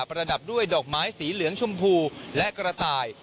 ระดับด้วยดอกไม้สีเหลืองชมพูและกระต่าย